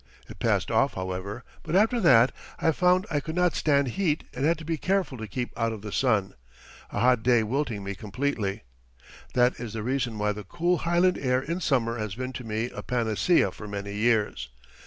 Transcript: It passed off, however, but after that I found I could not stand heat and had to be careful to keep out of the sun a hot day wilting me completely. [That is the reason why the cool Highland air in summer has been to me a panacea for many years.